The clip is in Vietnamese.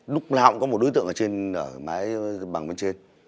lúc nào cũng có một đối tượng ở trên máy bằng bên trên